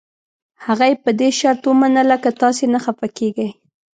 هغه یې په دې شرط ومنله که تاسي نه خفه کېږئ.